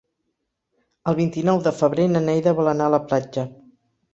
El vint-i-nou de febrer na Neida vol anar a la platja.